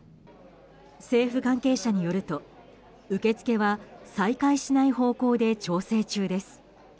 政府関係者によると、受け付けは再開しない方向で調整中です。